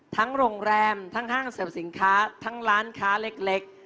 โรงแรมทั้งห้างเสริมสินค้าทั้งร้านค้าเล็ก